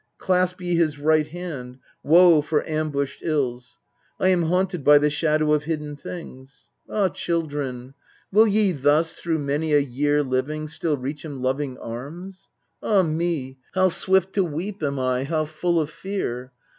Clasp ye his right hand. Woe for ambushed ills ! I am haunted by the shadow of hidden things ! Ah, children, will ye thus, through many a year Living, still reach him loving arms ? Ah me, How v s\vift to weep am I, how full of fear!